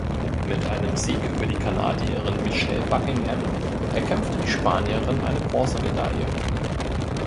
Mit einem Sieg über die Kanadierin Michelle Buckingham erkämpfte die Spanierin eine Bronzemedaille.